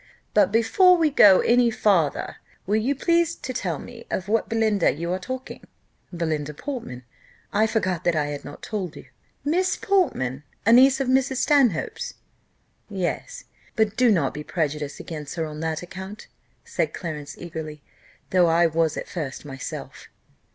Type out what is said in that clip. "But before we go any farther, will you please to tell me of what Belinda you are talking?" "Belinda Portman. I forgot that I had not told you." "Miss Portman, a niece of Mrs. Stanhope's?" "Yes, but do not be prejudiced against her on that account," said Clarence, eagerly, "though I was at first myself."